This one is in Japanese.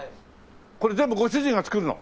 これ全部ご主人が作るの？